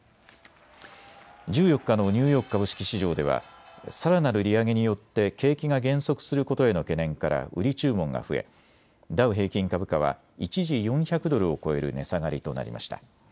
１４日のニューヨーク株式市場ではさらなる利上げによって景気が減速することへの懸念から売り注文が増えダウ平均株価は一時４００ドルを超える値下がりとなりました。